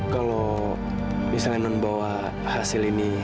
kalau misalnya non bawa hasil ini